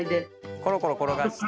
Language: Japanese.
コロコロ転がして。